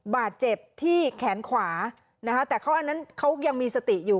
บาดเจ็บที่แขนขวานะคะแต่เขาอันนั้นเขายังมีสติอยู่